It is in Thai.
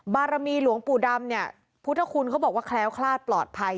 บารมีหลวงปู่ดำเนี่ยพุทธคุณเขาบอกว่าแคล้วคลาดปลอดภัย